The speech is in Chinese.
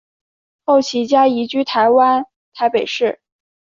后其家移居台湾台北市。